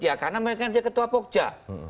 ya karena mereka ketua pokja